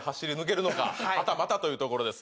はたまたというところです